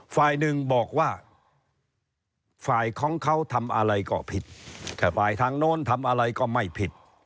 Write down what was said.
ฝ่ายหนึ่งบอกว่าฝ่ายของเขาทำอะไรก็ผิดแค่ฝ่ายทางโน้นทำอะไรก็ไม่ผิด